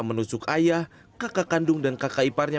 menusuk ayah kakak kandung dan kakak iparnya